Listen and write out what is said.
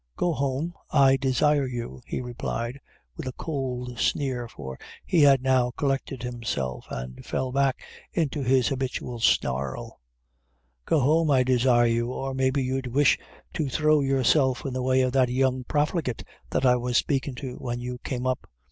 "Go home, I desire you," he replied, with a cold sneer, for he had now collected himself, and fell back into his habitual snarl; "Go home, I desire you, or maybe you'd wish to throw yourself in the way of that young profligate that I was spakin' to when you came up.